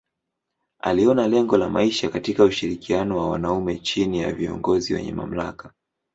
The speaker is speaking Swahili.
Aliona lengo ya maisha katika ushirikiano wa wanaume chini ya viongozi wenye mamlaka.